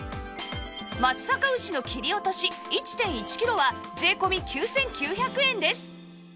松阪牛の切り落とし １．１ キロは税込９９００円です